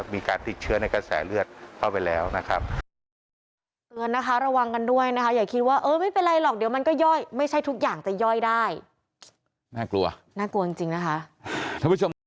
มีการติดเชื้อในกระแสเลือดเข้าไปแล้วนะครับ